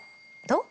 どう？